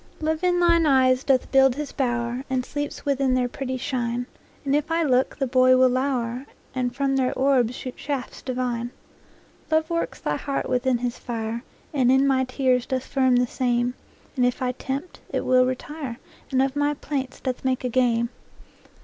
Love in thine eyes doth build his bower, And sleeps within their pretty shine; And if I look, the boy will lower, And from their orbs shoot shafts divine. Love works thy heart within his fire, And in my tears doth firm the same; And if I tempt, it will retire, And of my plaints doth make a game.